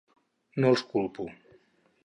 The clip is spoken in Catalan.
No els culpo.